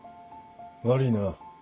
悪いな。